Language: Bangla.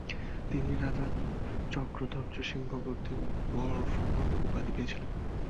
তিনি রাজা চক্রধ্বজ সিংহ কর্তৃক “ বরফুকন” উপাধী পেয়েছিলেন।